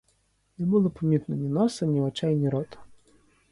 Не було помітно ні носа, ні очей, ні рота.